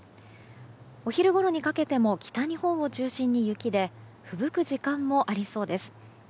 お昼ごろにかけても北日本を中心に雪でふぶく時間もありそうです。